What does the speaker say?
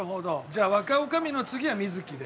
じゃあ若女将の次は瑞木で。